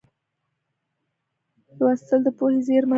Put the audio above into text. لوستل د پوهې زېرمه ده.